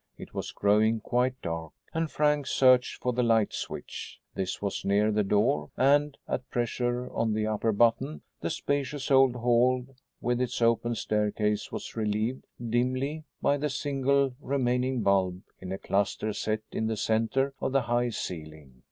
It was growing quite dark and Frank searched for the light switch. This was near the door, and, at pressure on the upper button, the spacious old hall with its open staircase was revealed dimly by the single remaining bulb in a cluster set in the center of the high ceiling.